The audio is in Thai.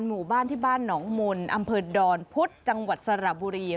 หมู่บ้านที่บ้านหนองมนต์อำเภอดอนพุธจังหวัดสระบุรี